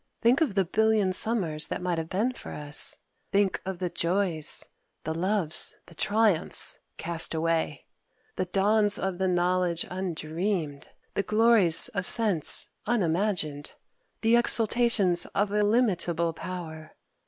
Think of the billion summers that might have been for us! think of the joys, the loves, the triumphs cast away! the dawns of the knowledge undreamed, the glories of sense unimagined, the exultations of illimitable power!...